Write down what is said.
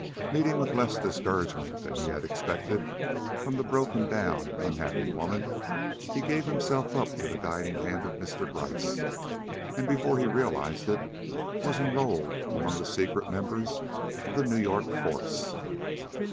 Meeting with less discouragement than he had expected from the broken down and unhappy woman, he gave himself up to the guiding hand of Mr. Gryce, and before he realized it, was enrolled among the secret members of the New York force.